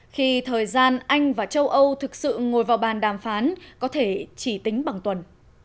khi thời gian anh và châu âu thực sự ngồi vào bàn đàm phán có thể chỉ tính bằng tuần